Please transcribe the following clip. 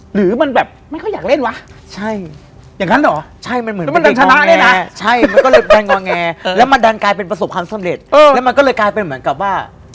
หรือแบบมันไม่ค่อยอยากเล่นวะ